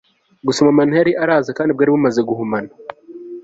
gusa mama ntiyari araza kandi bwari bumaze guhumana